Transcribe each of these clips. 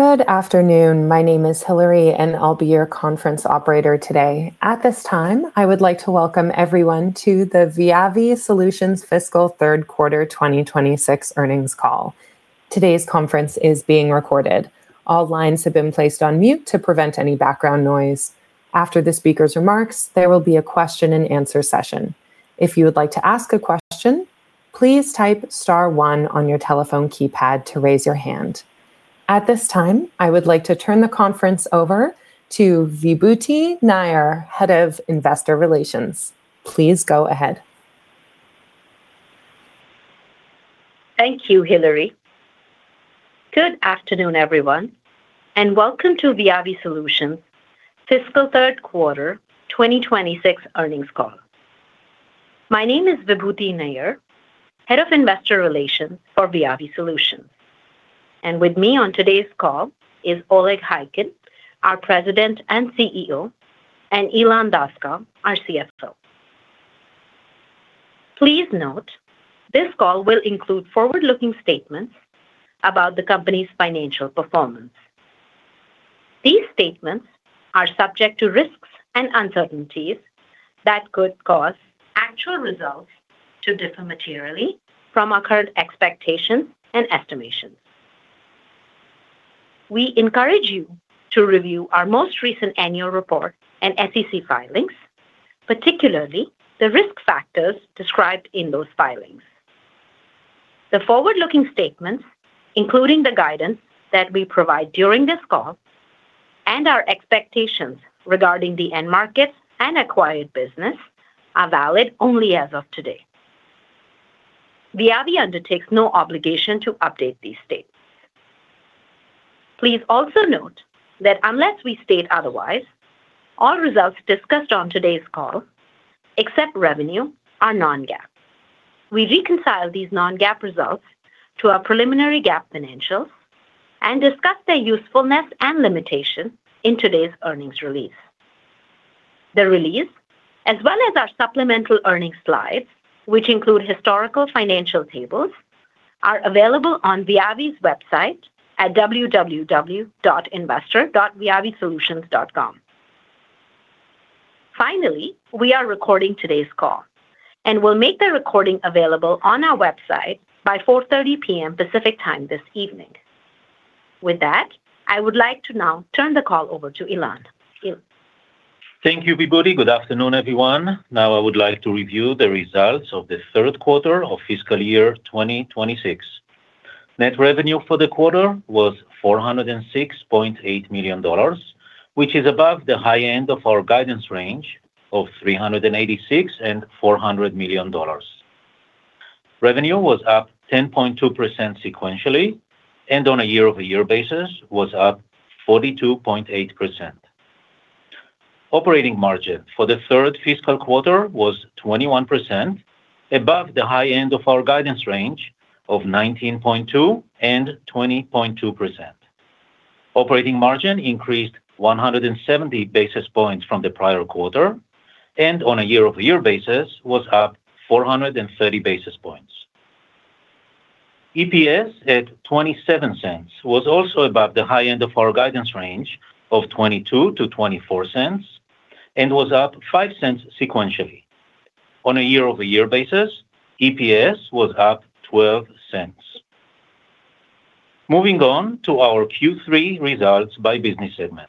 Good afternoon. My name is Hillary, and I'll be your conference operator today. At this time, I would like to welcome everyone to the Viavi Solutions fiscal third quarter 2026 earnings call. Today's conference is being recorded. All lines have been placed on mute to prevent any background noise. After the speaker's remarks, there will be a question and answer session. If you would like to ask a question, please type star one on your telephone keypad to raise your hand. At this time, I would like to turn the conference over to Vibhuti Nayar, Head of Investor Relations. Please go ahead. Thank you, Hillary. Good afternoon, everyone, and welcome to Viavi Solutions fiscal third quarter 2026 earnings call. My name is Vibhuti Nayar, Head of Investor Relations for Viavi Solutions. With me on today's call is Oleg Khaykin, our President and CEO, and Ilan Daskal, our CFO. Please note, this call will include forward-looking statements about the company's financial performance. These statements are subject to risks and uncertainties that could cause actual results to differ materially from our current expectations and estimations. We encourage you to review our most recent annual report and SEC filings, particularly the risk factors described in those filings. The forward-looking statements, including the guidance that we provide during this call and our expectations regarding the end markets and acquired business, are valid only as of today. Viavi undertakes no obligation to update these statements. Please also note that unless we state otherwise, all results discussed on today's call, except revenue, are non-GAAP. We reconcile these non-GAAP results to our preliminary GAAP financials and discuss their usefulness and limitations in today's earnings release. The release, as well as our supplemental earnings slides, which include historical financial tables, are available on Viavi's website at www.investor.viavisolutions.com. Finally, we are recording today's call, and we'll make the recording available on our website by 4:30 P.M. Pacific Time this evening. With that, I would like to now turn the call over to Ilan. Ilan. Thank you, Vibhuti. Good afternoon, everyone. Now I would like to review the results of the third quarter of fiscal year 2026. Net revenue for the quarter was $406.8 million, which is above the high end of our guidance range of $386 million and $400 million. Revenue was up 10.2% sequentially, and on a year-over-year basis was up 42.8%. Operating margin for the third fiscal quarter was 21%, above the high end of our guidance range of 19.2% and 20.2%. Operating margin increased 170 basis points from the prior quarter, and on a year-over-year basis was up 430 basis points. EPS at $0.27 was also above the high end of our guidance range of $0.22-$0.24 and was up $0.05 sequentially. On a year-over-year basis, EPS was up $0.12. Moving on to our Q3 results by business segment.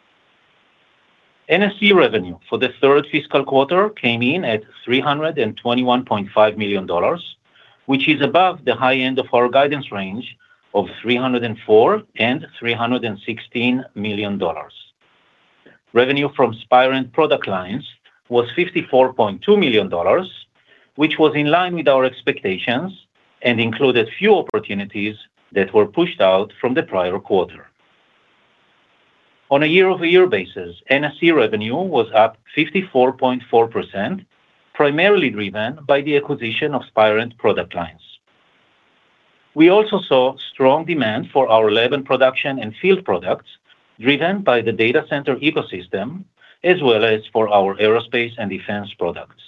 NSE revenue for the third fiscal quarter came in at $321.5 million, which is above the high end of our guidance range of $304 million and $316 million. Revenue from Spirent product lines was $54.2 million, which was in line with our expectations and included few opportunities that were pushed out from the prior quarter. On a year-over-year basis, NSE revenue was up 54.4%, primarily driven by the acquisition of Spirent product lines. We also saw strong demand for our lab and production and field products driven by the data center ecosystem, as well as for our aerospace and defense products.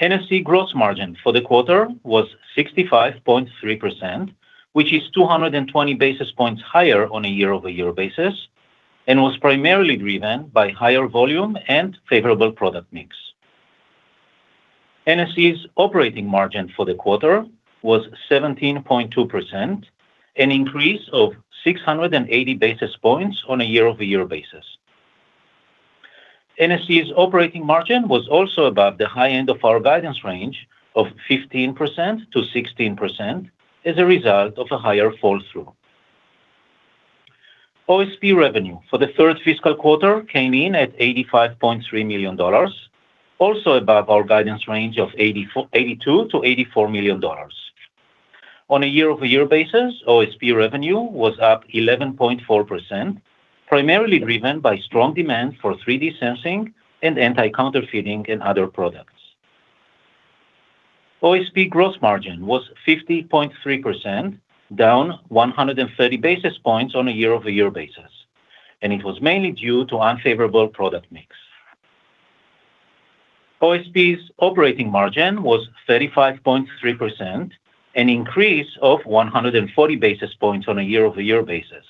NSE gross margin for the quarter was 65.3%, which is 220 basis points higher on a year-over-year basis and was primarily driven by higher volume and favorable product mix. NSE's operating margin for the quarter was 17.2%, an increase of 680 basis points on a year-over-year basis. NSE's operating margin was also above the high end of our guidance range of 15%-16% as a result of a higher fall-through. OSP revenue for the third fiscal quarter came in at $85.3 million, also above our guidance range of $82 million-$84 million. On a year-over-year basis, OSP revenue was up 11.4%, primarily driven by strong demand for 3D sensing and anti-counterfeiting and other products. OSP gross margin was 50.3%, down 130 basis points on a year-over-year basis, and it was mainly due to unfavorable product mix. OSP's operating margin was 35.3%, an increase of 140 basis points on a year-over-year basis.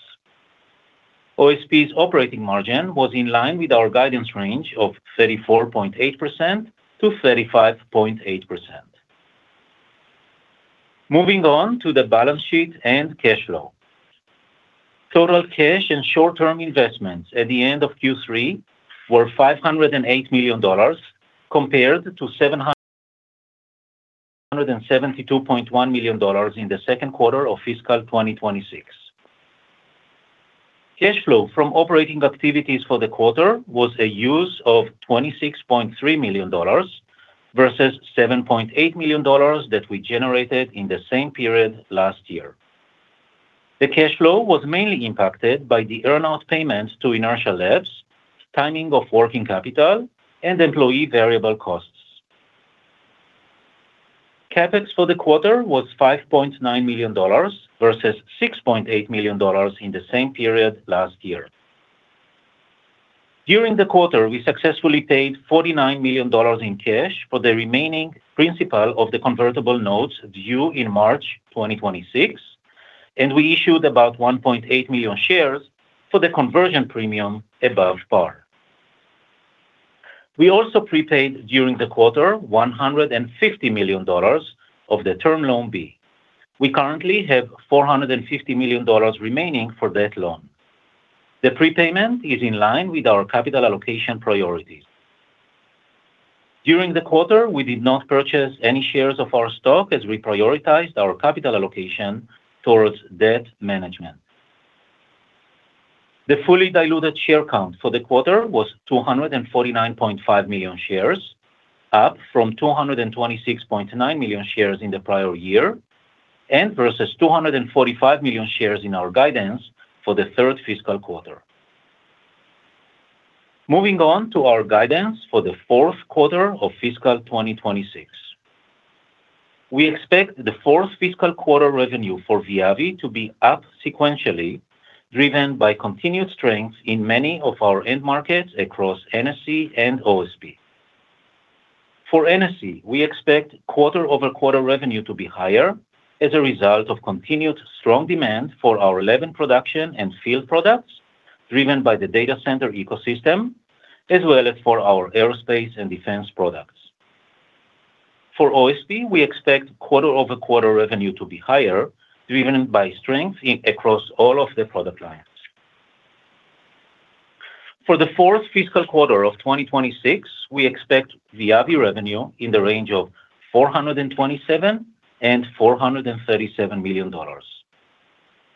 OSP's operating margin was in line with our guidance range of 34.8%-35.8%. Moving on to the balance sheet and cash flow. Total cash and short-term investments at the end of Q3 were $508 million compared to $772.1 million in the second quarter of FY 2026. Cash flow from operating activities for the quarter was a use of $26.3 million versus $7.8 million that we generated in the same period last year. The cash flow was mainly impacted by the earn out payments to Inertial Labs, timing of working capital, and employee variable costs. CapEx for the quarter was $5.9 million versus $6.8 million in the same period last year. During the quarter, we successfully paid $49 million in cash for the remaining principal of the convertible notes due in March 2026, and we issued about 1.8 million shares for the conversion premium above par. We also prepaid during the quarter $150 million of the Term Loan B. We currently have $450 million remaining for that loan. The prepayment is in line with our capital allocation priorities. During the quarter, we did not purchase any shares of our stock as we prioritized our capital allocation towards debt management. The fully diluted share count for the quarter was 249.5 million shares, up from 226.9 million shares in the prior year, and versus 245 million shares in our guidance for the third fiscal quarter. Moving on to our guidance for the fourth quarter of fiscal 2026. We expect the fourth fiscal quarter revenue for Viavi to be up sequentially, driven by continued strength in many of our end markets across NSE and OSP. For NSE, we expect quarter-over-quarter revenue to be higher as a result of continued strong demand for our lab and production and field products driven by the data center ecosystem, as well as for our aerospace and defense products. For OSP, we expect quarter-over-quarter revenue to be higher, driven by strength in across all of the product lines. For the fourth fiscal quarter of 2026, we expect Viavi revenue in the range of $427 million and $437 million.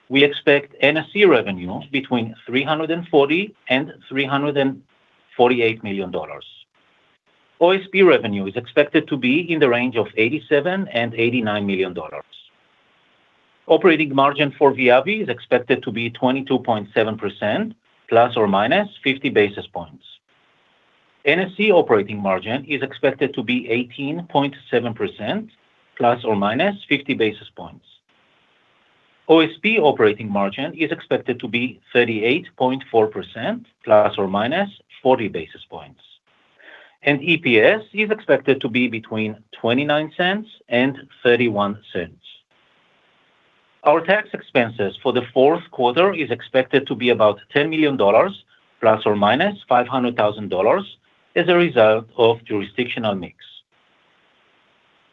We expect NSE revenue between $340 million and $348 million. OSP revenue is expected to be in the range of $87 million and $89 million. Operating margin for Viavi is expected to be 22.7% ±50 basis points. NSE operating margin is expected to be 18.7% ±50 basis points. OSP operating margin is expected to be 38.4% ±40 basis points. EPS is expected to be between $0.29 and $0.31. Our tax expenses for the fourth quarter is expected to be about $10 million ±$500,000 as a result of jurisdictional mix.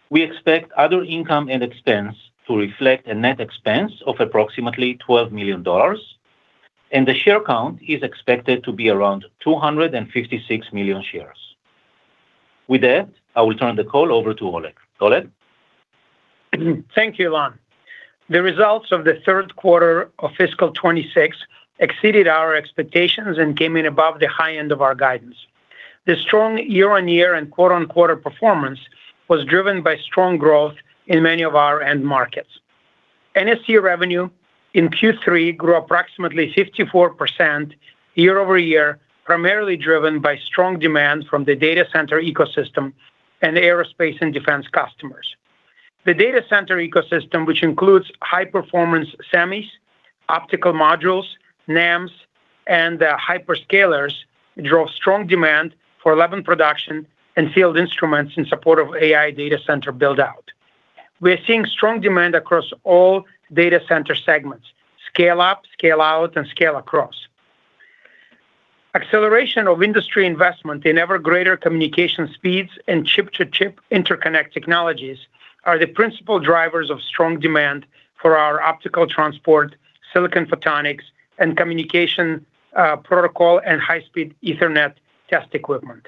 We expect other income and expense to reflect a net expense of approximately $12 million, and the share count is expected to be around 256 million shares. With that, I will turn the call over to Oleg. Oleg? Thank you, Ilan. The results of the third quarter of fiscal 2026 exceeded our expectations and came in above the high end of our guidance. The strong year-on-year and quarter-on-quarter performance was driven by strong growth in many of our end markets. NSE revenue in Q3 grew approximately 54% year-over-year, primarily driven by strong demand from the data center ecosystem and the aerospace and defense customers. The data center ecosystem, which includes high-performance semis, optical modules, NEMs, and hyperscalers, drove strong demand for lab and production and field instruments in support of AI data center build-out. We are seeing strong demand across all data center segments, scale up, scale out, and scale across. Acceleration of industry investment in ever greater communication speeds and chip-to-chip interconnect technologies are the principal drivers of strong demand for our optical transport, silicon photonics, and communication protocol and high-speed Ethernet test equipment.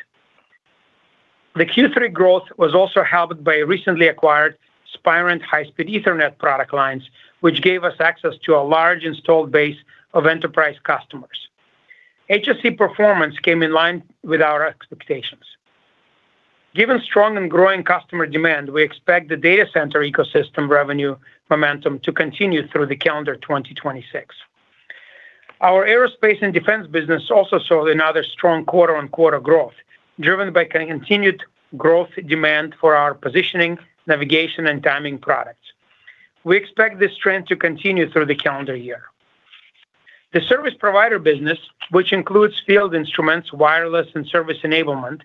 The Q3 growth was also helped by recently acquired Spirent high-speed Ethernet product lines, which gave us access to a large installed base of enterprise customers. HSE performance came in line with our expectations. Given strong and growing customer demand, we expect the data center ecosystem revenue momentum to continue through the calendar 2026. Our aerospace and defense business also saw another strong quarter-on-quarter growth, driven by continued growth demand for our positioning, navigation, and timing products. We expect this trend to continue through the calendar year. The Service Provider Business, which includes field instruments, wireless, and service enablement,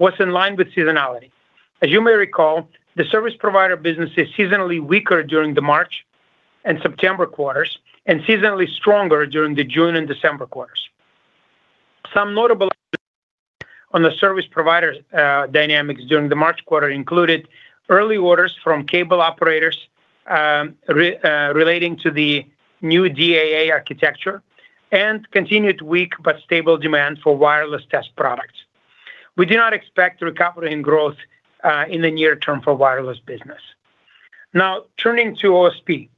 was in line with seasonality. As you may recall, the Service Provider Business is seasonally weaker during the March and September quarters and seasonally stronger during the June and December quarters. Some notable on the service providers, dynamics during the March quarter included early orders from cable operators, relating to the new DAA architecture and continued weak but stable demand for wireless test products. We do not expect recovery and growth in the near term for wireless business. Now, turning to OSP.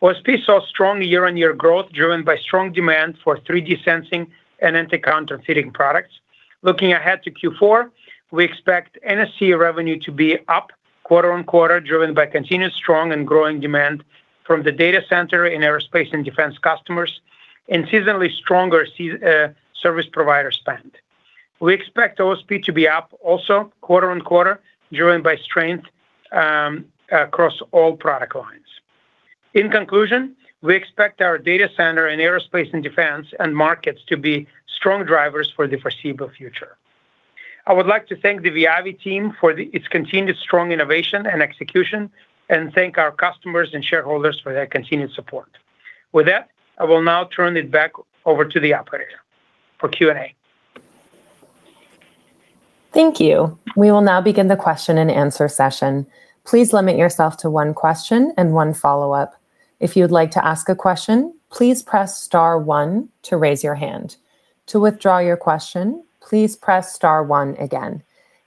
OSP saw strong year-on-year growth driven by strong demand for 3D sensing and anti-counterfeiting products. Looking ahead to Q4, we expect NSE revenue to be up quarter-on-quarter, driven by continuous strong and growing demand from the data center and aerospace and defense customers and seasonally stronger service provider spend. We expect OSP to be up also quarter-on-quarter, driven by strength across all product lines. In conclusion, we expect our data center and aerospace and defense end markets to be strong drivers for the foreseeable future. I would like to thank the Viavi team for its continued strong innovation and execution and thank our customers and shareholders for their continued support. With that, I will now turn it back over to the operator for Q&A. Thank you. We will now begin the question and answer session. Please limit yourself to one question and one follow-up. If you would like to ask a question, please press star one to raise your hand. To withdraw your question, please press star one again.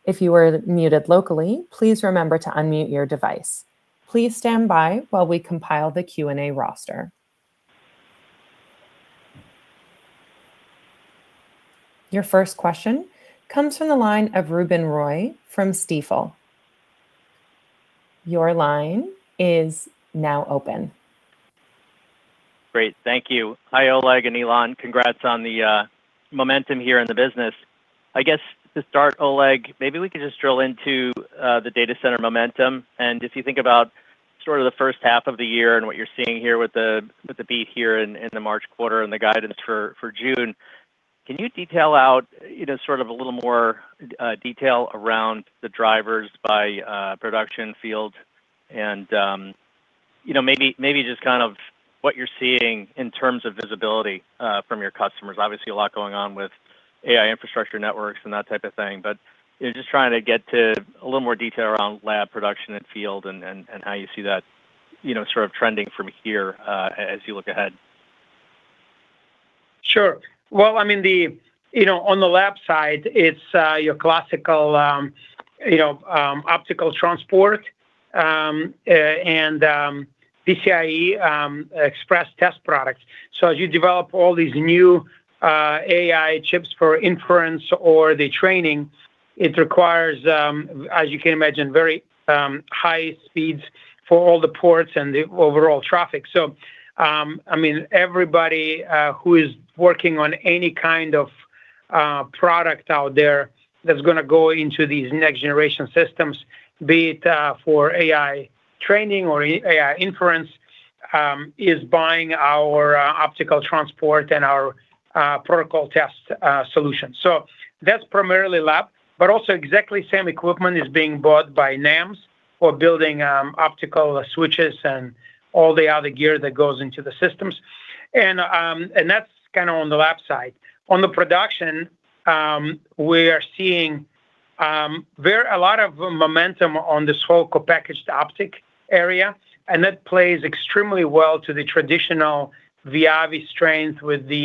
If you are muted locally, please remember to unmute your device. Please stand by while we compile the Q&A roster. Your first question comes from the line of Ruben Roy from Stifel. Your line is now open. Great. Thank you. Hi, Oleg and Ilan. Congrats on the momentum here in the business. I guess to start, Oleg, maybe we could just drill into the data center momentum and if you think about sort of the first half of the year and what you're seeing here with the beat in the March quarter and the guidance for June. Can you detail out, you know, sort of a little more detail around the drivers by production field and, you know, just kind of what you're seeing in terms of visibility from your customers. Obviously a lot going on with AI infrastructure networks and that type of thing, but just trying to get to a little more detail around lab production and field and how you see that, you know, sort of trending from here as you look ahead. Sure. Well, I mean, the, you know, on the lab side, it's your classical, you know, optical transport and PCIe express test products. As you develop all these new AI chips for inference or the training, it requires, as you can imagine, very high speeds for all the ports and the overall traffic. I mean, everybody who is working on any kind of product out there that's gonna go into these next generation systems, be it for AI training or AI inference, is buying our optical transport and our protocol test solutions. That's primarily lab, but also exactly same equipment is being bought by NEMs for building optical switches and all the other gear that goes into the systems. That's kind of on the lab side. On the production, we are seeing a lot of momentum on this whole co-packaged optics area, and that plays extremely well to the traditional Viavi strength with the,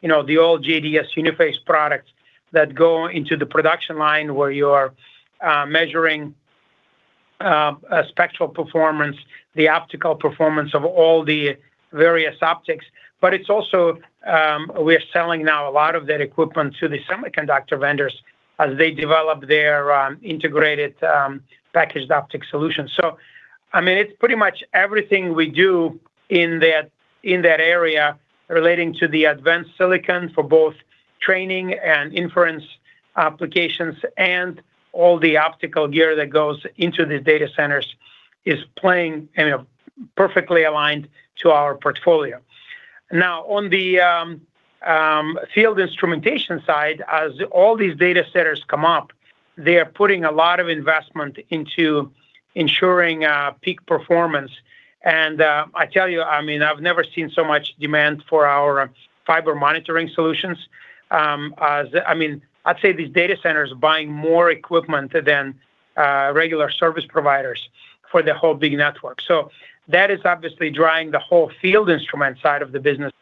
you know, the old JDS Uniphase products that go into the production line where you are measuring a spectral performance, the optical performance of all the various optics. It's also, we are selling now a lot of that equipment to the semiconductor vendors as they develop their integrated packaged optics solution. I mean, it's pretty much everything we do in that, in that area relating to the advanced silicon for both training and inference applications and all the optical gear that goes into the data centers is playing and perfectly aligned to our portfolio. Now, on the field instrumentation side, as all these data centers come up, they are putting a lot of investment into ensuring peak performance. I tell you, I mean, I've never seen so much demand for our fiber monitoring solutions. I mean, I'd say these data centers are buying more equipment than regular service providers for the whole big network. That is obviously driving the whole field instrument side of the business.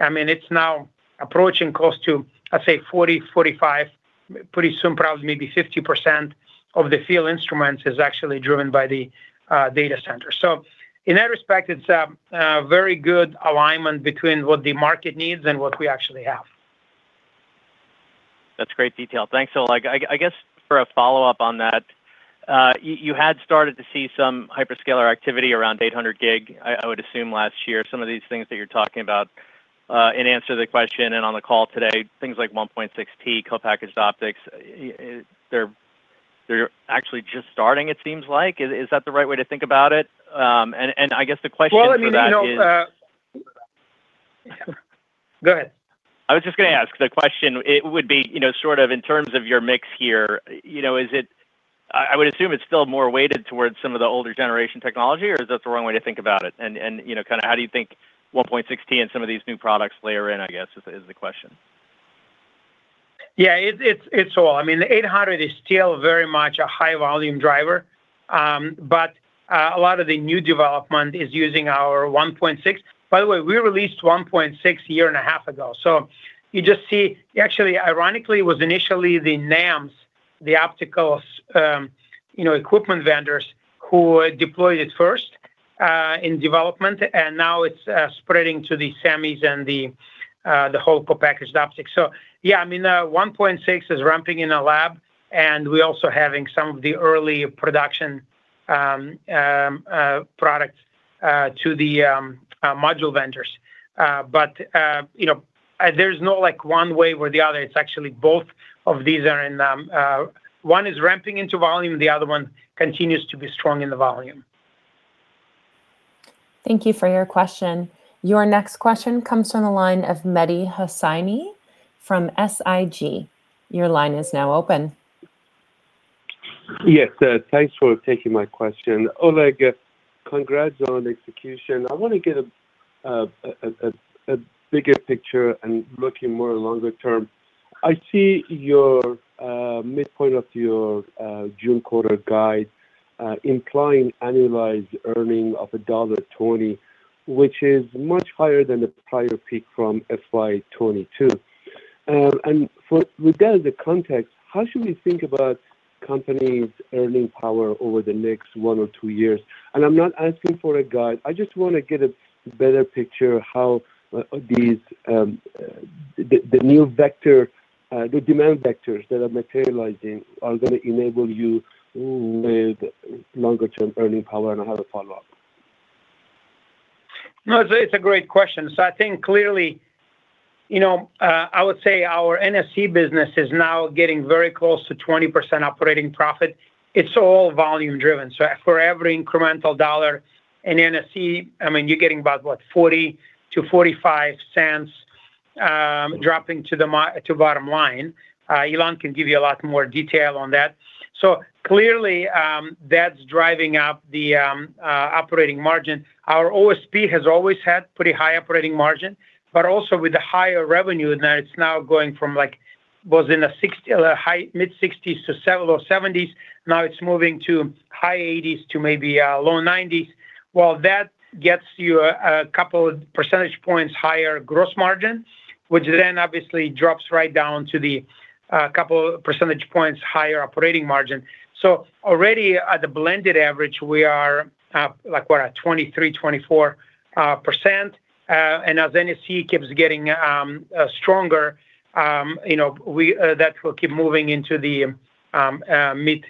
I mean, it's now approaching close to, I'd say 40%, 45%, pretty soon, probably maybe 50% of the field instruments is actually driven by the data center. In that respect, it's a very good alignment between what the market needs and what we actually have. That's great detail. Thanks, Oleg. I guess for a follow-up on that, you had started to see some hyperscaler activity around 800G, I would assume last year. Some of these things that you're talking about in answer to the question and on the call today, things like 1.6T co-packaged optics. They're actually just starting, it seems like. Is that the right way to think about it? I guess the question for that is. Well, I mean, you know, Go ahead. I was just gonna ask, the question, it would be, you know, sort of in terms of your mix here, you know, is it I would assume it's still more weighted towards some of the older generation technology, or is that the wrong way to think about it? You know, kinda how do you think 1.6T and some of these new products layer in, I guess, is the question. Yeah. It's all. I mean, the 800G is still very much a high volume driver. A lot of the new development is using our 1.6T. By the way, we released 1.6T a year and a half ago. You just see. Actually, ironically, it was initially the NEMs, the optical equipment vendors who deployed it first in development, and now it's spreading to the semis and the whole packaged optics. Yeah, I mean, 1.6T is ramping in the lab, and we're also having some of the early production product to the module vendors. You know, there's no, like, one way or the other. It's actually both of these are in. One is ramping into volume, the other one continues to be strong in the volume. Thank you for your question. Your next question comes from the line of Mehdi Hosseini from SIG. Your line is now open. Yes. Thanks for taking my question. Oleg, congrats on execution. I wanna get a bigger picture and looking more longer term. I see your midpoint of your June quarter guide implying annualized earning of $1.20, which is much higher than the prior peak from FY 2022. With that as the context, how should we think about company's earning power over the next one or two years? I'm not asking for a guide. I just wanna get a better picture how these the new vector, the demand vectors that are materializing are gonna enable you with longer term earning power and how to follow up. It's a great question. I think clearly, you know, I would say our NFC business is now getting very close to 20% operating profit. It's all volume driven. For every incremental dollar in NFC, I mean, you're getting about, what, $0.40-$0.45 dropping to the bottom line. Ilan can give you a lot more detail on that. Clearly, that's driving up the operating margin. Our OSP has always had pretty high operating margin, but also with the higher revenue now, it's now going from, like it was in the 60, high, mid-60s to several low 70s. Now it's moving to high 80s to maybe, low 90s. That gets you a couple percentage points higher gross margin, which then obviously drops right down to the couple percentage points higher operating margin. Already at the blended average, we are like we're at 23%-24%. As NSE keeps getting stronger, you know, we that will keep moving into the mid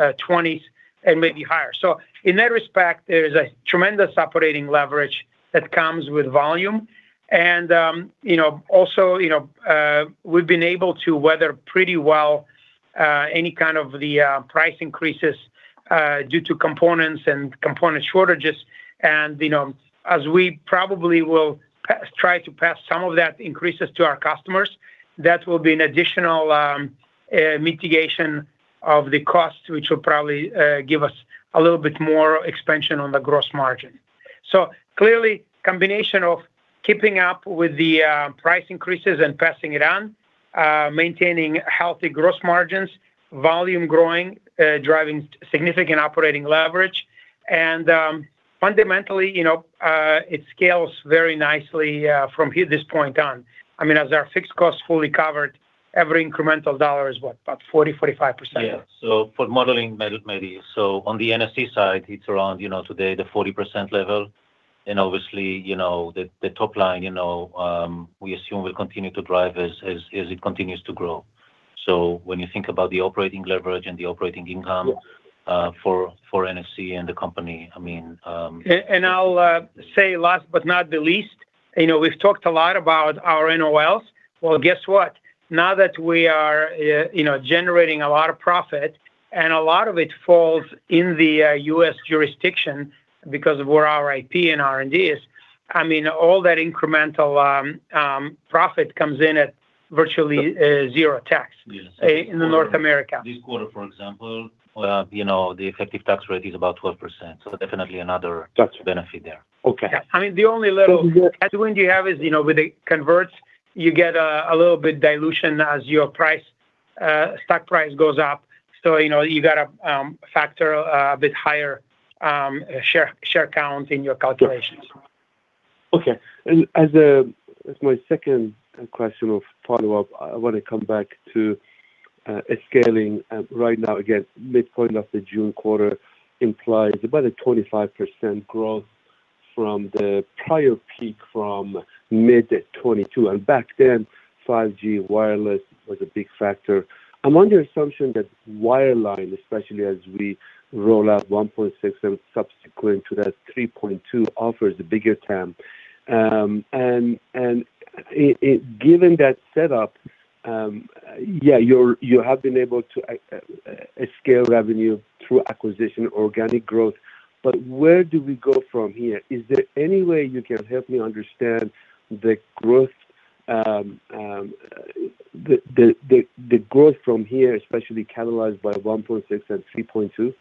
20s and maybe higher. In that respect, there's a tremendous operating leverage that comes with volume. You know, also, you know, we've been able to weather pretty well any kind of the price increases due to components and component shortages. You know, as we probably will try to pass some of that increases to our customers, that will be an additional mitigation of the cost, which will probably give us a little bit more expansion on the gross margin. Clearly combination of keeping up with the price increases and passing it on, maintaining healthy gross margins, volume growing, driving significant operating leverage, and fundamentally, you know, it scales very nicely from this point on. I mean, as our fixed costs fully covered, every incremental dollar is what, about 40, 45%? Yeah. For modeling, Mehdi, so on the NSE side, it's around, you know, today the 40% level, obviously, you know, the top line, you know, we assume will continue to drive as it continues to grow. When you think about the operating leverage and the operating income for NFC and the company, I mean. I'll say last but not the least, you know, we've talked a lot about our NOLs. Guess what? Now that we are, you know, generating a lot of profit, and a lot of it falls in the U.S. jurisdiction because of where our IP and R&D is, I mean, all that incremental profit comes in at virtually zero tax. Yes In the North America. This quarter, for example, you know, the effective tax rate is about 12%. Got you. That's a benefit there. Okay. Yeah. I mean, the only little. So do you? Headwind you have is, you know, with the converts, you get a little bit dilution as your price, stock price goes up. You know, you gotta factor a bit higher share count in your calculations. Okay. As my second question of follow-up, I wanna come back to scaling. Right now, again, midpoint of the June quarter implies about a 25% growth from the prior peak from mid 2022. Back then, 5G wireless was a big factor. I'm under assumption that wireline, especially as we roll out 1.6T and subsequent to that 3.2T, offers the bigger term. Given that setup, you have been able to scale revenue through acquisition, organic growth. Where do we go from here? Is there any way you can help me understand the growth from here, especially catalyzed by 1.6T and 3.2T?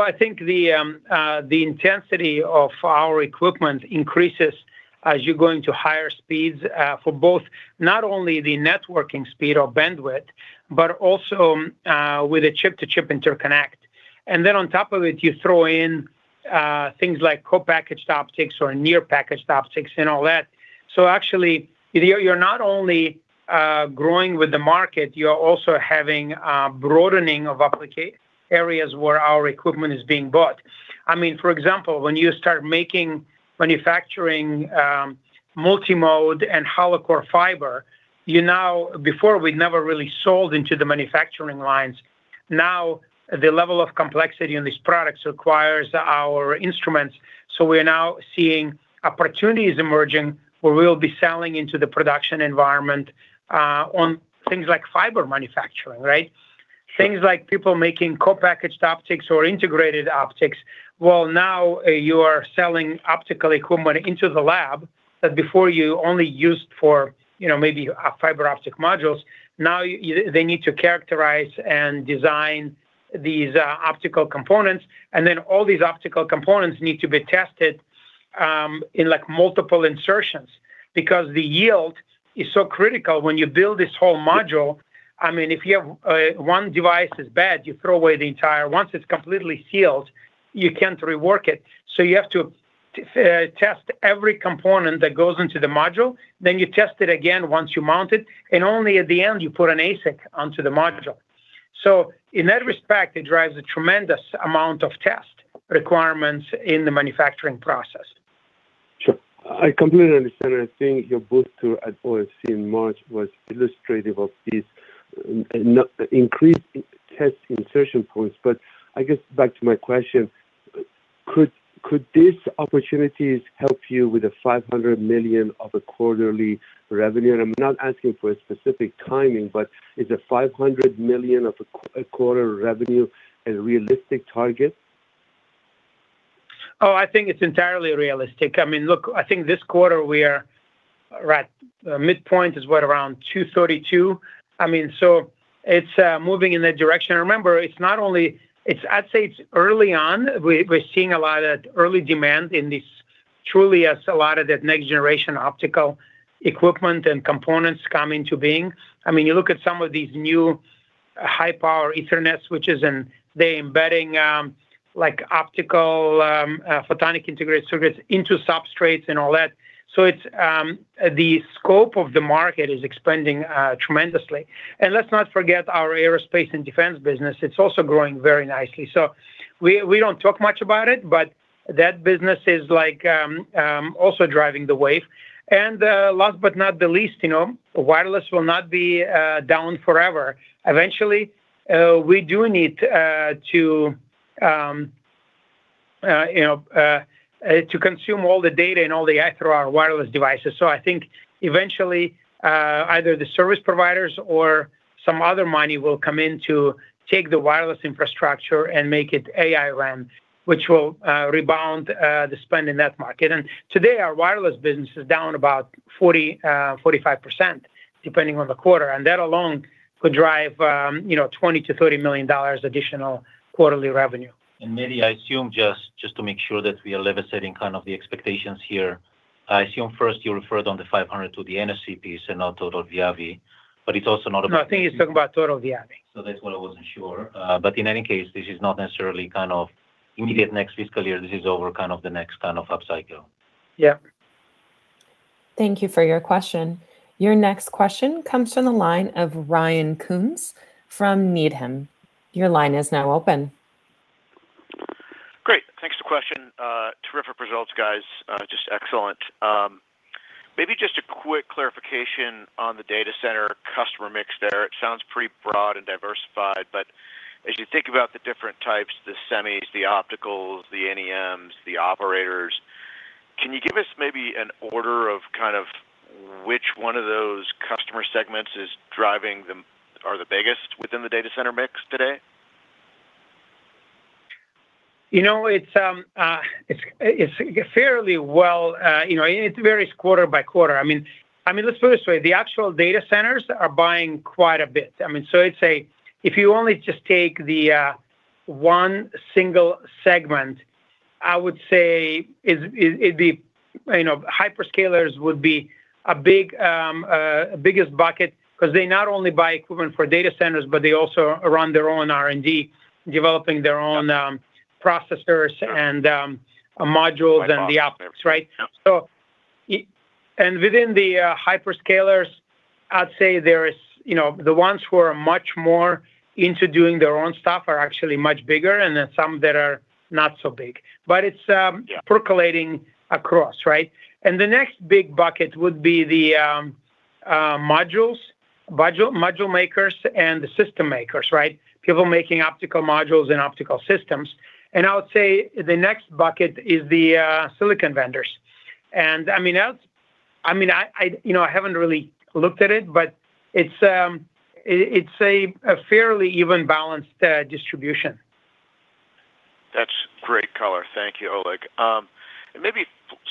I think the intensity of our equipment increases as you're going to higher speeds, for both not only the networking speed or bandwidth, but also with the chip-to-chip interconnect. On top of it, you throw in things like co-packaged optics or near-packaged optics and all that. Actually, you're not only growing with the market, you are also having a broadening of application areas where our equipment is being bought. I mean, for example, when you start making, manufacturing multi-mode and hollow core fiber, you now. Before we never really sold into the manufacturing lines. The level of complexity in these products requires our instruments. We are now seeing opportunities emerging where we'll be selling into the production environment on things like fiber manufacturing, right? Things like people making co-packaged optics or integrated optics. Now you are selling optical equipment into the lab that before you only used for, you know, maybe fiber optic modules. Now they need to characterize and design these optical components, then all these optical components need to be tested in like multiple insertions because the yield is so critical when you build this whole module. I mean, if you have, one device is bad, you throw away the entire, once it is completely sealed, you can't rework it. You have to test every component that goes into the module. You test it again once you mount it, only at the end you put an ASIC onto the module. In that respect, it drives a tremendous amount of test requirements in the manufacturing process. Sure. I completely understand. I think your booth tour at OFC in March was illustrative of this increased test insertion points. I guess back to my question, could these opportunities help you with the $500 million of a quarterly revenue? I'm not asking for a specific timing, is a $500 million of a quarter revenue a realistic target? I think it's entirely realistic. I think this quarter we are, right, midpoint is what? Around $232 million. It's moving in that direction. Remember, I'd say it's early on. We're seeing a lot of early demand in this, truly as a lot of that next generation optical equipment and components come into being. You look at some of these new high-power Ethernet switches, they're embedding like optical photonic integrated circuits into substrates and all that. It's the scope of the market is expanding tremendously. Let's not forget our aerospace and defense business. It's also growing very nicely. We don't talk much about it, but that business is like also driving the wave. Last but not the least, you know, wireless will not be down forever. Eventually, we do need to, you know, to consume all the data through our wireless devices. I think eventually, either the service providers or some other money will come in to take the wireless infrastructure and make it AI-RAN, which will rebound the spend in that market. Today, our wireless business is down about 40%-45%, depending on the quarter. That alone could drive, you know, $20 million-$30 million additional quarterly revenue. Mehdi, I assume just to make sure that we are level setting kind of the expectations here, I assume first you referred on the $500 million to the NFC piece and not total Viavi, but it's also not about. No, I think he's talking about total Viavi. That's why I wasn't sure. In any case, this is not necessarily kind of immediate next fiscal year. This is over kind of the next kind of upcycle. Yeah. Thank you for your question. Your next question comes from the line of Ryan Koontz from Needham. Your line is now open. Great. Thanks. Good question. Terrific results, guys. Just excellent. Maybe just a quick clarification on the data center customer mix there. It sounds pretty broad and diversified, but as you think about the different types, the semis, the opticals, the NEMs, the operators, can you give us maybe an order of kind of which one of those customer segments is driving the, are the biggest within the data center mix today? You know, it's fairly well, you know, it varies quarter by quarter. I mean, let's put it this way, the actual data centers are buying quite a bit. I mean, I'd say if you only just take the one single segment, I would say it'd be, you know, hyperscalers would be a big, biggest bucket cause they not only buy equipment for data centers, but they also run their own R&D, developing their own. Yeah Processors and modules and the optics, right? Yep. Within the hyperscalers, I'd say there is, you know, the ones who are much more into doing their own stuff are actually much bigger, and there's some that are not so big. Yeah But it's percolating across, right? The next big bucket would be the modules makers and the system makers, right? People making optical modules and optical systems. I would say the next bucket is the silicon vendors. I mean, I, you know, I haven't really looked at it, but it's a fairly even balanced distribution. That's great color. Thank you, Oleg. Maybe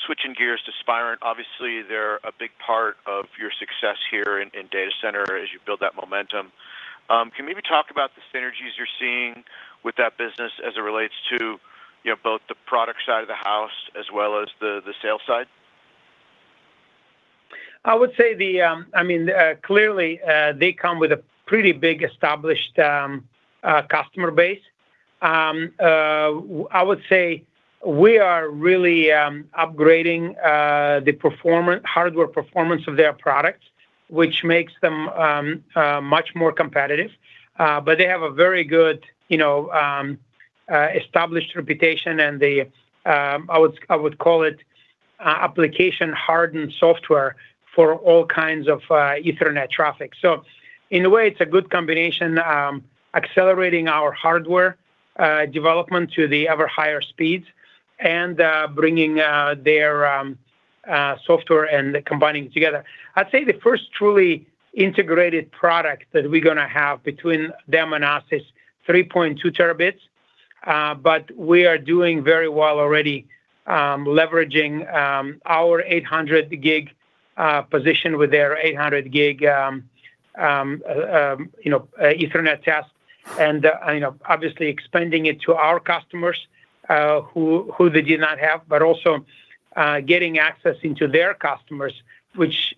switching gears to Spirent. Obviously, they're a big part of your success here in data center as you build that momentum. Can you maybe talk about the synergies you're seeing with that business as it relates to, you know, both the product side of the house as well as the sales side? I would say the, I mean, clearly, they come with a pretty big established customer base. I would say we are really upgrading the hardware performance of their products, which makes them much more competitive. They have a very good, you know, established reputation and the I would call it a application-hardened software for all kinds of Ethernet traffic. In a way, it's a good combination, accelerating our hardware development to the ever higher speeds and bringing their software and combining it together. I'd say the first truly integrated product that we're gonna have between them and us is 3.2 Tb. We are doing very well already, leveraging our 800 Gb position with their 800 Gb, you know, Ethernet task. You know, obviously expanding it to our customers, who they did not have, but also getting access into their customers, which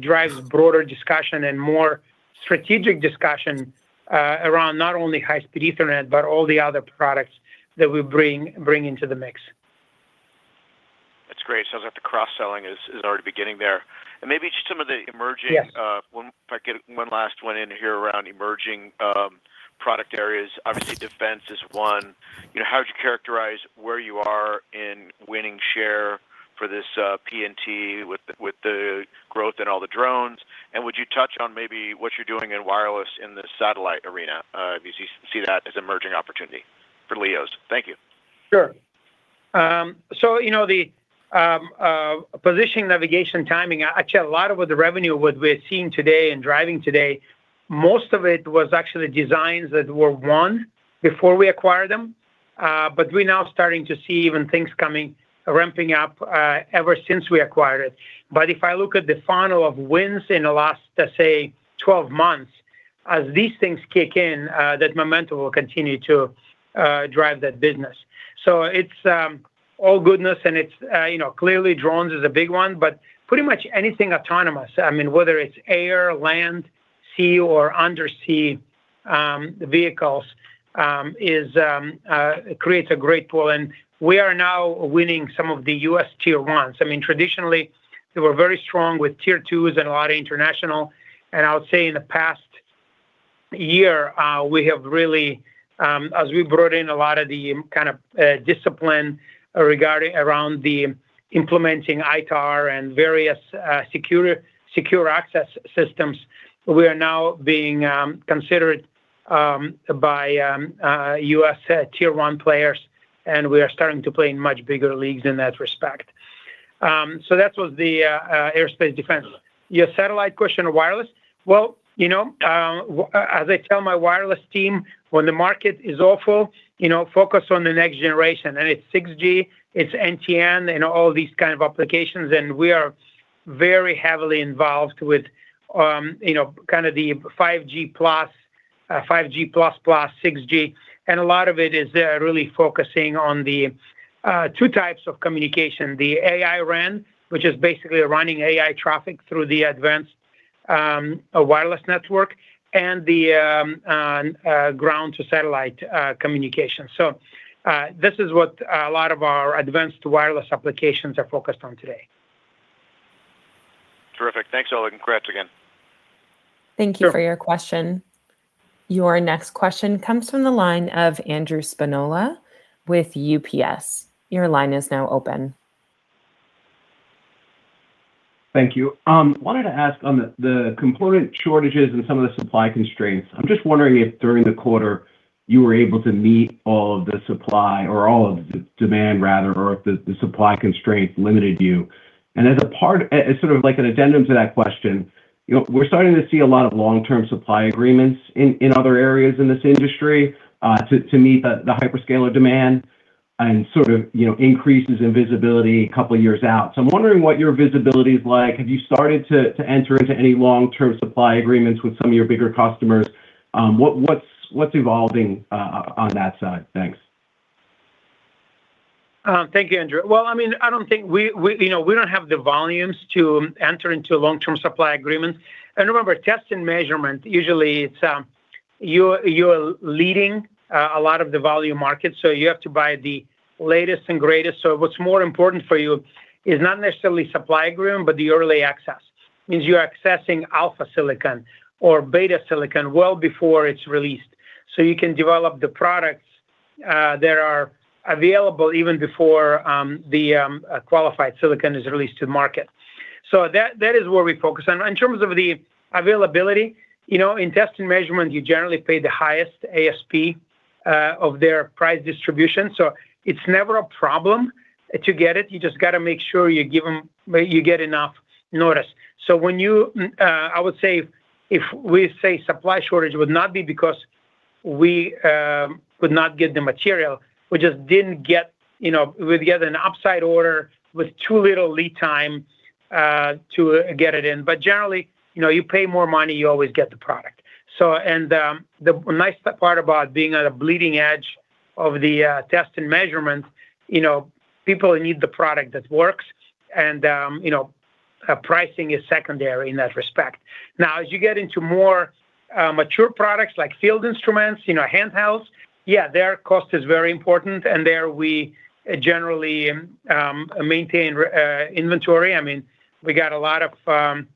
drives broader discussion and more strategic discussion around not only high-speed Ethernet, but all the other products that we bring into the mix. That's great. Sounds like the cross-selling is already beginning there. Yes If I could get one last one in here around emerging product areas. Obviously, defense is one. You know, how would you characterize where you are in winning share for this PNT with the growth in all the drones? Would you touch on maybe what you're doing in wireless in the satellite arena, if you see that as emerging opportunity for LEOs? Thank you. Sure. You know, the positioning, navigation, and timing, actually a lot of what the revenue what we're seeing today and driving today, most of it was actually designs that were won before we acquired them. We're now starting to see even things coming, ramping up, ever since we acquired it. If I look at the funnel of wins in the last, let's say, 12 months, as these things kick in, that momentum will continue to drive that business. It's all goodness, and it's, you know, clearly drones is a big one, but pretty much anything autonomous. I mean, whether it's air, land, sea or undersea, vehicles, creates a great pool. We are now winning some of the U.S. tier 1s. I mean, traditionally, they were very strong with tier 2s and a lot of international. I would say in the past year, we have really, as we brought in a lot of the kind of discipline regarding around the implementing ITAR and various secure access systems, we are now being considered by U.S. tier 1 players, and we are starting to play in much bigger leagues in that respect. That was the aerospace defense. Your satellite question, wireless. Well, you know, as I tell my wireless team, when the market is awful, you know, focus on the next generation, and it's 6G, it's NTN and all these kind of applications, and we are very heavily involved with, you know, kind of the 5G+, 5G++, 6G. A lot of it is, they're really focusing on the two types of communication: the AI-RAN, which is basically running AI traffic through the advanced wireless network and the ground to satellite communication. This is what a lot of our advanced wireless applications are focused on today. Terrific. Thanks, Oleg, and congrats again. Sure. Thank you for your question. Your next question comes from the line of Andrew Spinola with UBS. Your line is now open. Thank you. Wanted to ask on the component shortages and some of the supply constraints. I'm just wondering if during the quarter you were able to meet all of the supply or all of the demand, rather, or if the supply constraints limited you. As a part, as sort of like an addendum to that question, you know, we're starting to see a lot of long-term supply agreements in other areas in this industry, to meet the hyperscaler demand and sort of, you know, increases in visibility a couple of years out. I'm wondering what your visibility is like. Have you started to enter into any long-term supply agreements with some of your bigger customers? What, what's evolving on that side? Thanks. Thank you, Andrew. Well, I mean, I don't think we, you know, we don't have the volumes to enter into a long-term supply agreement. Remember, test and measurement, usually it's, you're leading a lot of the volume markets, so you have to buy the latest and greatest. What's more important for you is not necessarily supply agreement, but the early access. Means you're accessing alpha silicon or beta silicon well before it's released. You can develop the products that are available even before the qualified silicon is released to the market. That is where we focus on. In terms of the availability, you know, in test and measurement, you generally pay the highest ASP of their price distribution. It's never a problem to get it. You just got to make sure you get enough notice. I would say if we say supply shortage would not be because we could not get the material. We just didn't get, you know, we'd get an upside order with too little lead time to get it in. Generally, you know, you pay more money, you always get the product. The nice part about being at a bleeding edge of the test and measurement, you know, people need the product that works and, you know, pricing is secondary in that respect. Now, as you get into more mature products like field instruments, you know, handhelds, yeah, their cost is very important and there we generally maintain inventory. We got a lot of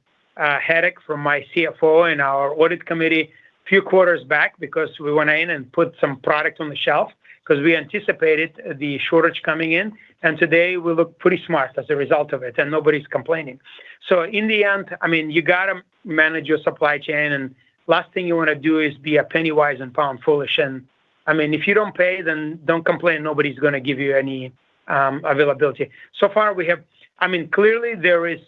headache from my CFO and our audit committee few quarters back because we went in and put some product on the shelf because we anticipated the shortage coming in. Today, we look pretty smart as a result of it, and nobody's complaining. In the end, you got to manage your supply chain, and last thing you want to do is be a penny wise and pound foolish. If you don't pay, don't complain. Nobody's going to give you any availability. So far, clearly there is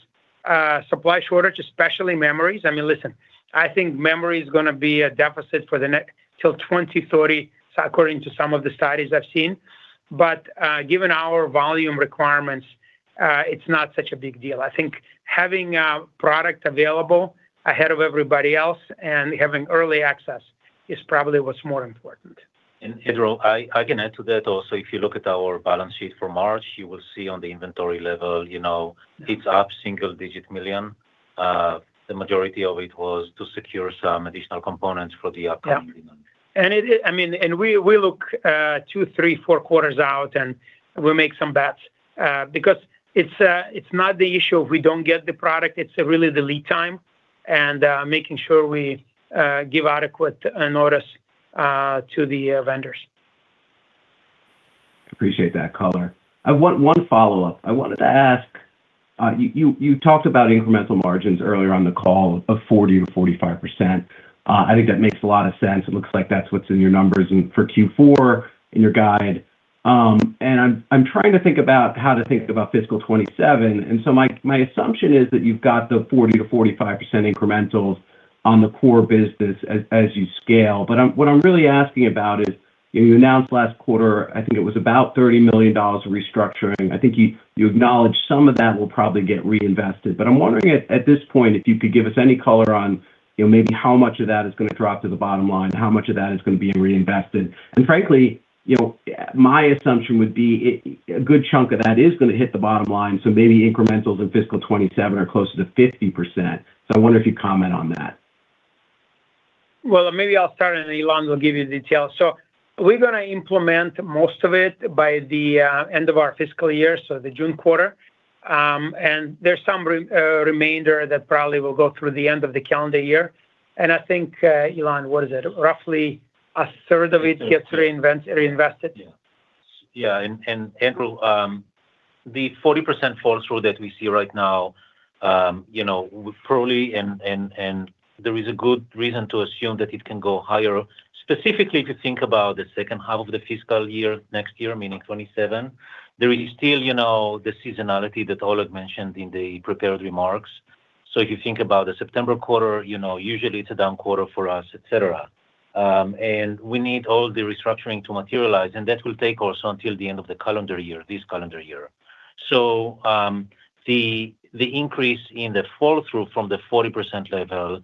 a supply shortage, especially memories. Listen, I think memory is going to be a deficit till 2030, according to some of the studies I've seen. Given our volume requirements, it's not such a big deal. I think having a product available ahead of everybody else and having early access is probably what's more important. Andrew, I can add to that also. If you look at our balance sheet for March, you will see on the inventory level, you know, it's up single digit million. The majority of it was to secure some additional components for the upcoming demand. Yeah. I mean, we look two, three, four quarters out and we make some bets because it's not the issue if we don't get the product, it's really the lead time and making sure we give adequate notice to the vendors. Appreciate that color. I want one follow-up. I wanted to ask, you talked about incremental margins earlier on the call of 40%-45%. I think that makes a lot of sense. It looks like that's what's in your numbers and for Q4 in your guide. I'm trying to think about how to think about fiscal 2027. My assumption is that you've got the 40%-45% incrementals on the core business as you scale. What I'm really asking about is, you announced last quarter, I think it was about $30 million restructuring. I think you acknowledged some of that will probably get reinvested. I'm wondering at this point, if you could give us any color on, you know, maybe how much of that is going to drop to the bottom line, how much of that is going to be reinvested. Frankly, you know, my assumption would be a good chunk of that is going to hit the bottom line, so maybe incrementals in FY 2027 are closer to 50%. I wonder if you'd comment on that. Well, maybe I'll start and Ilan will give you the details. We're going to implement most of it by the end of our fiscal year, so the June quarter. There's some remainder that probably will go through the end of the calendar year. I think, Ilan, what is it? Roughly 1/3 of it gets reinvested. Andrew, the 40% fall through that we see right now, you know, probably and there is a good reason to assume that it can go higher. Specifically, if you think about the second half of the fiscal year next year, meaning 2027, there is still, you know, the seasonality that Oleg mentioned in the prepared remarks. If you think about the September quarter, you know, usually it's a down quarter for us, et cetera. We need all the restructuring to materialize, and that will take also until the end of the calendar year, this calendar year. The increase in the fall through from the 40% level,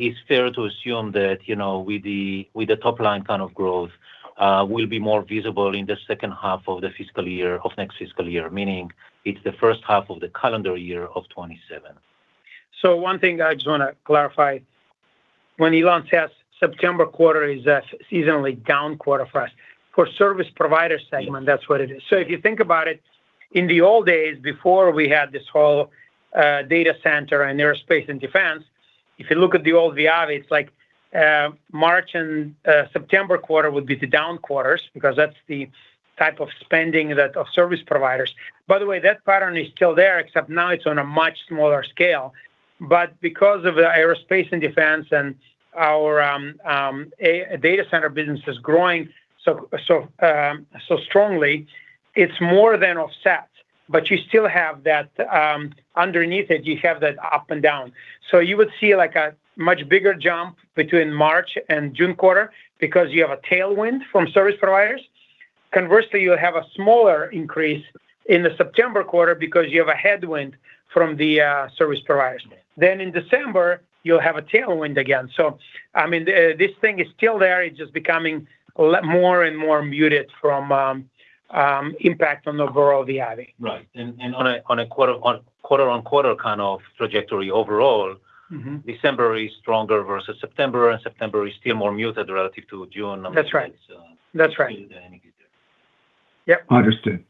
is fair to assume that, you know, with the top line kind of growth, will be more visible in the second half of the fiscal year of next fiscal year, meaning it's the first half of the calendar year of 2027. One thing I just want to clarify. When Ilan says September quarter is a seasonally down quarter for us, for service provider segment, that's what it is. If you think about it, in the old days before we had this whole, data center and aerospace and defense, if you look at the old Viavi, it's like, March and September quarter would be the down quarters because that's the type of spending that of service providers. By the way, that pattern is still there, except now it's on a much smaller scale. Because of the aerospace and defense and our data center business is growing so strongly, it's more than offset. You still have that, underneath it, you have that up and down. You would see like a much bigger jump between March and June quarter because you have a tailwind from service providers. Conversely, you have a smaller increase in the September quarter because you have a headwind from the service providers. In December, you'll have a tailwind again. I mean, this thing is still there. It's just becoming a lot more and more muted from impact on overall Viavi. Right. On a quarter-on-quarter kind of trajectory overall. Mm-hmm December is stronger versus September, and September is still more muted relative to June. That's right. That's right. Yep. Understood.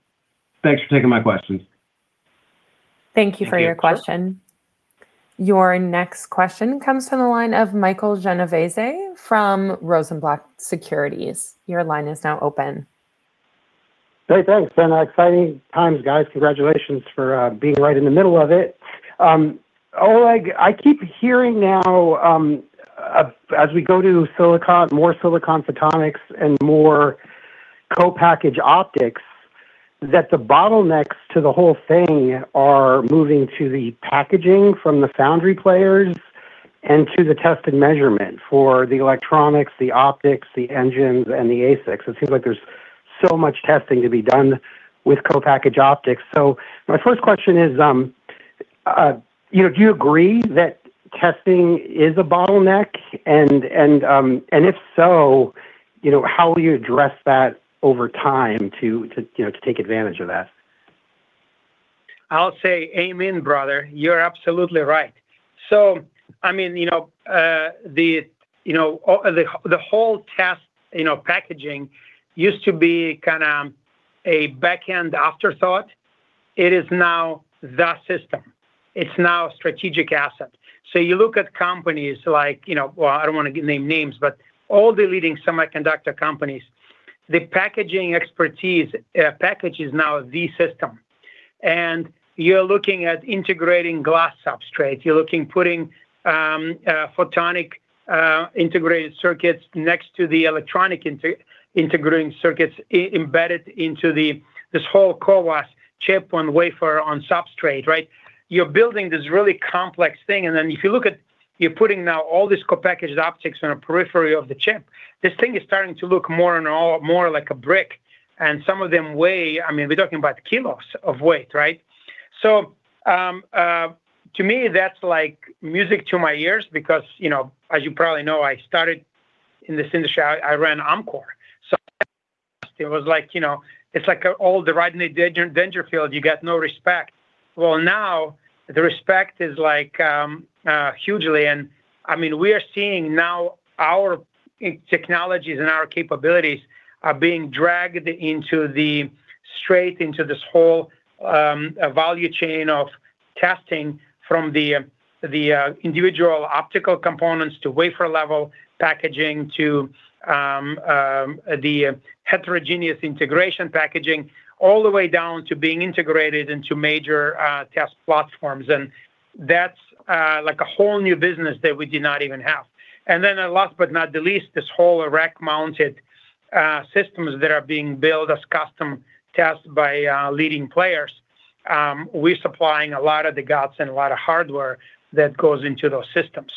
Thanks for taking my questions. Thank you for your question. Your next question comes from the line of Michael Genovese from Rosenblatt Securities. Your line is now open. Hey, thanks. Been exciting times, guys. Congratulations for being right in the middle of it. Oleg, I keep hearing now, as we go to silicon, more silicon photonics and more co-packaged optics, that the bottlenecks to the whole thing are moving to the packaging from the foundry players and to the test and measurement for the electronics, the optics, the engines, and the ASICs. It seems like there's so much testing to be done with co-packaged optics. My first question is, you know, do you agree that testing is a bottleneck? And if so, you know, how will you address that over time to, you know, to take advantage of that? I'll say amen, brother. You're absolutely right. I mean, you know, the whole test, you know, packaging used to be kind of a backend afterthought. It is now the system. It's now a strategic asset. You look at companies like, you know, Well, I don't wanna name names, but all the leading semiconductor companies, the packaging expertise, package is now the system. You're looking at integrating glass substrates. You're looking putting photonic integrated circuits next to the electronic integrated circuits, embedded into the, this whole CoWoS Chip-on-Wafer-on-Substrate, right? You're building this really complex thing, then if you look at, you're putting now all these co-packaged optics on a periphery of the chip. This thing is starting to look more and more like a brick, and some of them weigh, I mean, we're talking about kilos of weight, right? To me, that's like music to my ears because, you know, as you probably know, I started in this industry, I ran Amkor, so it was like, you know, it's like all the riding the Dangerfield, you got no respect. Well, now the respect is, like, hugely, and I mean, we are seeing now our technologies and our capabilities are being dragged straight into this whole value chain of testing from the individual optical components to wafer-level packaging to the heterogeneous integration packaging, all the way down to being integrated into major test platforms. That's like a whole new business that we did not even have. Then last but not the least, this whole rack-mounted systems that are being built as custom tests by leading players. We're supplying a lot of the guts and a lot of hardware that goes into those systems.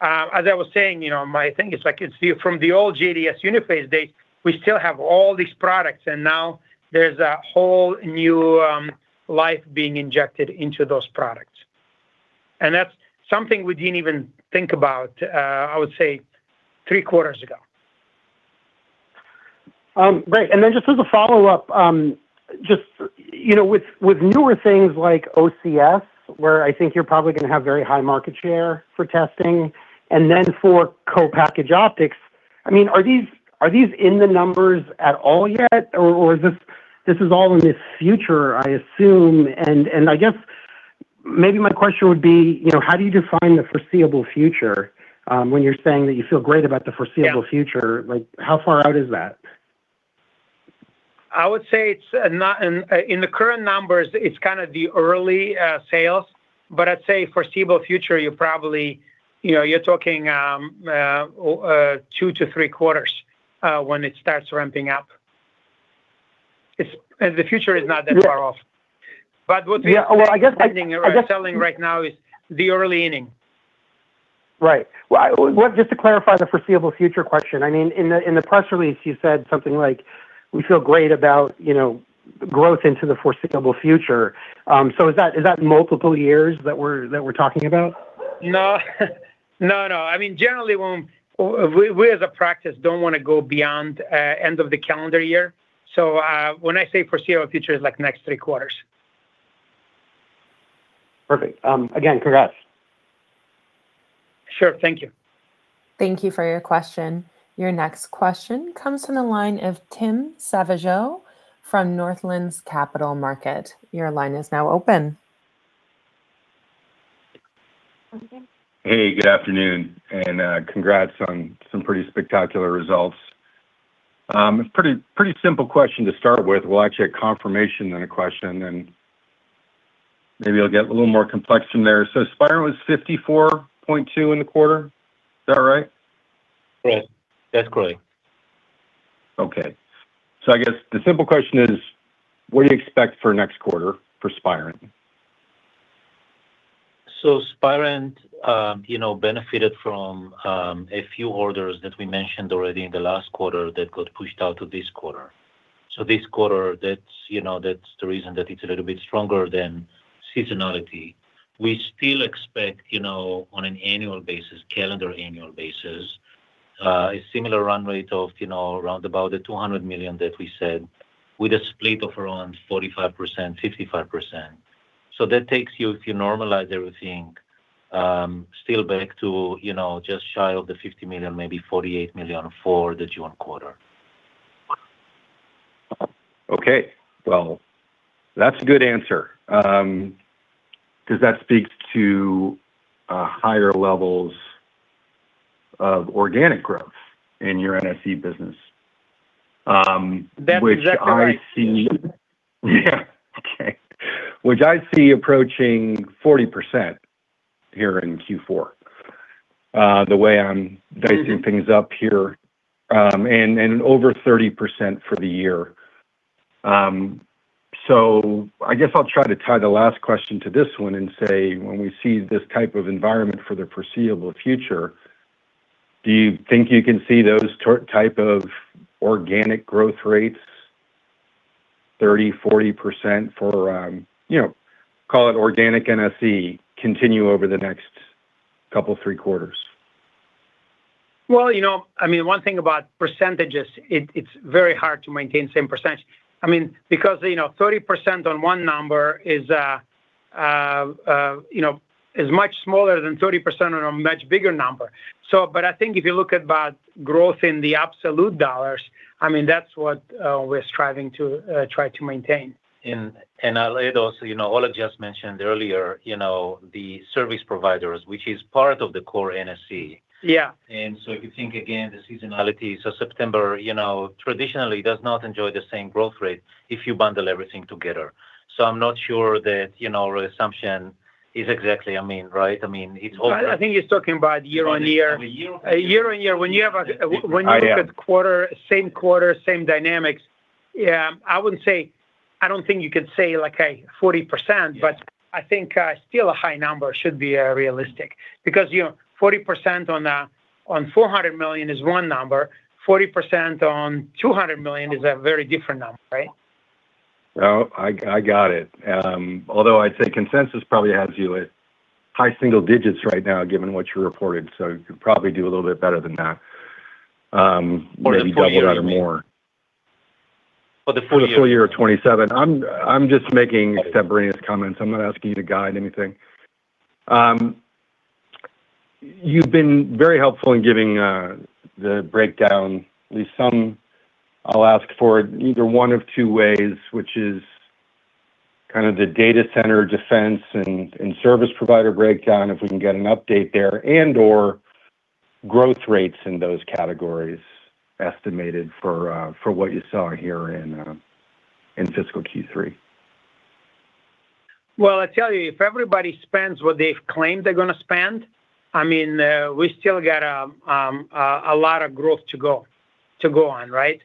As I was saying, you know, my thing is like it's the, from the old JDS Uniphase days, we still have all these products, and now there's a whole new life being injected into those products. That's something we didn't even think about, I would say three quarters ago. Right. Just as a follow-up, just, you know, with newer things like OCS, where I think you're probably gonna have very high market share for testing, and then for co-packaged optics, I mean, are these in the numbers at all yet? Is this all in the future, I assume. I guess maybe my question would be, you know, how do you define the foreseeable future, when you're saying that you feel great about the foreseeable future? Yeah. Like how far out is that? In the current numbers, it's kind of the early sales, but I'd say foreseeable future, you probably, you know, you're talking two to three quarters when it starts ramping up. It's the future is not that far off. Yeah. What Yeah. Well, I guess. What we are expecting or are selling right now is the early inning. Right. Well, just to clarify the foreseeable future question. I mean, in the press release, you said something like, we feel great about, you know, growth into the foreseeable future. Is that multiple years that we're talking about? No. No, no. I mean, generally when we as a practice don't wanna go beyond end of the calendar year. When I say foreseeable future, it's like next three quarters. Perfect. Again, congrats. Sure. Thank you. Thank you for your question. Your next question comes from the line of Tim Savageaux from Northland Capital Markets. Your line is now open. Good afternoon, congrats on some pretty spectacular results. Pretty simple question to start with. Well, actually a confirmation, then a question, and maybe I'll get a little more complex from there. Spirent was $54.2 million in the quarter. Is that right? Yes. That's correct. Okay. I guess the simple question is, what do you expect for next quarter for Spirent? Spirent, you know, benefited from a few orders that we mentioned already in the last quarter that got pushed out to this quarter. This quarter, that's, you know, that's the reason that it's a little bit stronger than seasonality. We still expect, you know, on an annual basis, calendar annual basis, a similar run rate of, you know, around about the $200 million that we said, with a split of around 45%, 55%. That takes you, if you normalize everything, still back to, you know, just shy of the $50 million, maybe $48 million for the June quarter. Okay. Well, that's a good answer, cause that speaks to higher levels of organic growth in your NSE business. That's exactly right. Yeah. Okay. Which I see approaching 40% here in Q4, the way I'm dicing things up here, and over 30% for the year. I guess I'll try to tie the last question to this one and say, when we see this type of environment for the foreseeable future, do you think you can see those type of organic growth rates, 30%, 40% for, you know, call it organic NSE continue over the next couple, three quarters? Well, you know, I mean, one thing about percentages, it's very hard to maintain same percentage. I mean, because, you know, 30% on one number is, you know, is much smaller than 30% on a much bigger number. I think if you look at about growth in the absolute dollars, I mean, that's what we're striving to try to maintain. I'll add also, you know, Oleg just mentioned earlier, you know, the service providers, which is part of the core NSE. Yeah. If you think again the seasonality. September, you know, traditionally does not enjoy the same growth rate if you bundle everything together. I'm not sure that, you know, our assumption is exactly, I mean, right? I think he's talking about year-on-year. On a year-on-year. A year-on-year. I am. When you look at quarter, same quarter, same dynamics, yeah, I wouldn't say, I don't think you could say like a 40%. Yeah I think, still a high number should be realistic. You know, 40% on $400 million is one number, 40% on $200 million is a very different number, right? No, I got it. Although I'd say consensus probably has you at high single digits right now, given what you reported, so you could probably do a little bit better than that. For the full year, you mean? Maybe double that or more. For the full year. The full year of 2027. I'm just making extraneous comments. I'm not asking you to guide anything. You've been very helpful in giving the breakdown. At least some I'll ask for either one of two ways, which is kind of the data center defense and service provider breakdown, if we can get an update there and/or growth rates in those categories estimated for what you saw here in fiscal Q3. Well, I tell you, if everybody spends what they've claimed they're gonna spend, I mean, we still got a lot of growth to go on, right?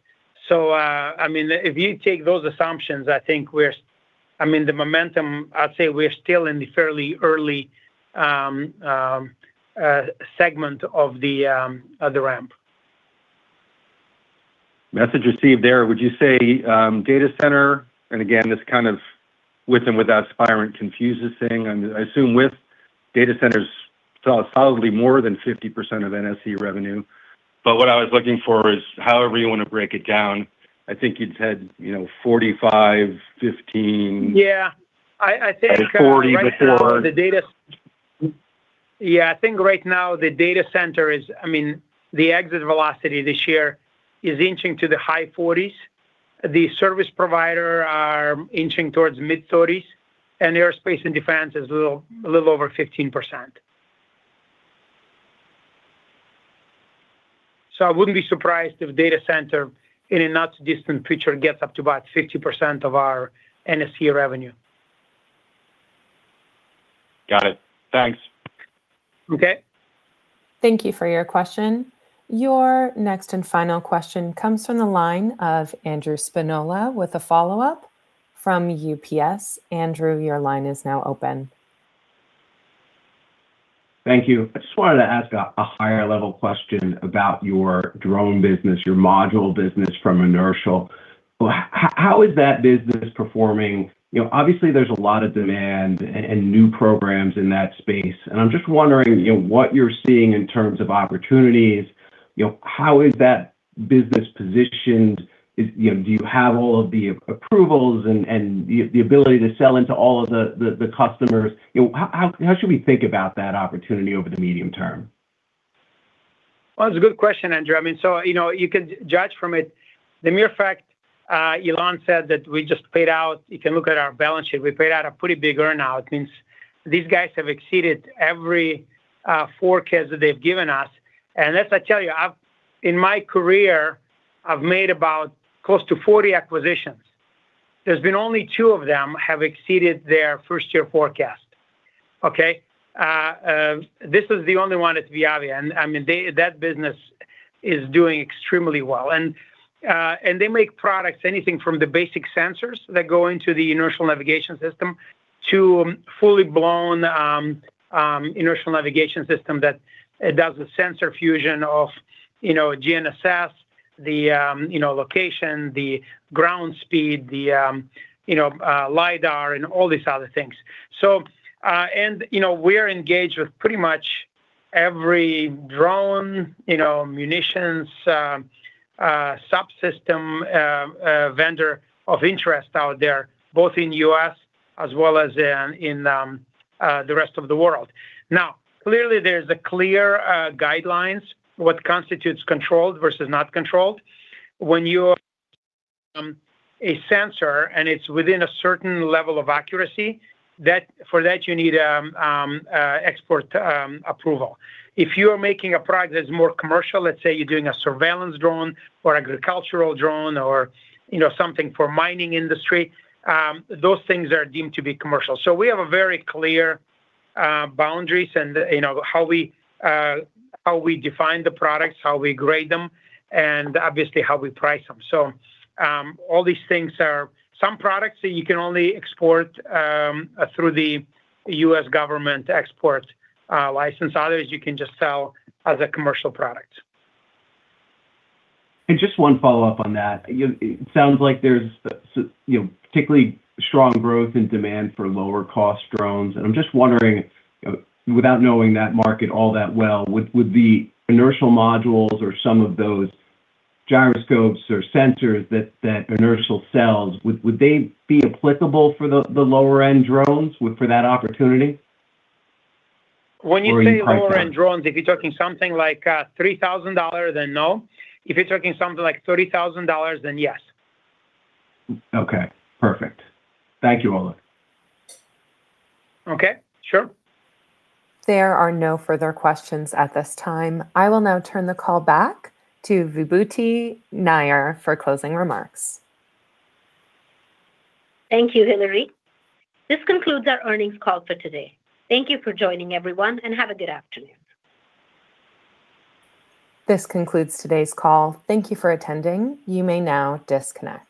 I mean, if you take those assumptions, I think I'd say we're still in the fairly early segment of the ramp. Message received there. Would you say, data center, and again, this kind of with and without Spirent confuses thing. I assume with data centers, so it's probably more than 50% of NSE revenue. What I was looking for is however you want to break it down. I think you'd said, you know, 45%, 15%. Yeah. I think right now. 40% before. Yeah, I think right now the data center is. I mean, the exit velocity this year is inching to the high 40%s. The service provider are inching towards mid-30%s, and aerospace and defense is a little over 15%. I wouldn't be surprised if data center in a not too distant future gets up to about 50% of our NSE revenue. Got it. Thanks. Okay. Thank you for your question. Your next and final question comes from the line of Andrew Spinola with a follow-up from UBS. Andrew, your line is now open. Thank you. I just wanted to ask a higher level question about your drone business, your module business from Inertial. How is that business performing? You know, obviously there's a lot of demand and new programs in that space, and I'm just wondering, you know, what you're seeing in terms of opportunities. You know, how is that business positioned? Is, you know, do you have all of the approvals and the ability to sell into all of the customers? You know, how should we think about that opportunity over the medium term? It's a good question, Andrew. You know, you can judge from it the mere fact Ilan said that we just paid out. You can look at our balance sheet. We paid out a pretty big earn-out, means these guys have exceeded every forecast that they've given us. As I tell you, I've, in my career, I've made about close to 40 acquisitions. There's been only two of them have exceeded their first year forecast. Okay. This is the only one, it's Viavi, and I mean, that business is doing extremely well. They make products, anything from the basic sensors that go into the inertial navigation system to fully blown inertial navigation system that it does the sensor fusion of, you know, GNSS, the, you know, location, the ground speed, the, you know, LiDAR and all these other things. You know, we're engaged with pretty much every drone, you know, munitions, subsystem, vendor of interest out there, both in U.S. as well as in the rest of the world. Clearly there's the clear guidelines what constitutes controlled versus not controlled. When you have a sensor and it's within a certain level of accuracy, for that you need export approval. If you are making a product that's more commercial, let's say you're doing a surveillance drone or agricultural drone or, you know, something for mining industry, those things are deemed to be commercial. We have a very clear boundaries and, you know, how we, how we define the products, how we grade them, and obviously how we price them. Some products you can only export through the U.S. government export license. Others you can just sell as a commercial product. Just one follow-up on that. You, it sounds like there's, you know, particularly strong growth and demand for lower-cost drones, and I'm just wondering, without knowing that market all that well, would the Inertial modules or some of those gyroscopes or sensors that Inertial sells, would they be applicable for the lower-end drones with, for that opportunity? When you say lower end drones? Are you priced out? If you're talking something like $3,000, then no. If you're talking something like $30,000, then yes. Okay. Perfect. Thank you, Oleg. Okay. Sure. There are no further questions at this time. I will now turn the call back to Vibhuti Nayar for closing remarks. Thank you, Hillary. This concludes our earnings call for today. Thank you for joining, everyone, and have a good afternoon. This concludes today's call. Thank you for attending. You may now disconnect.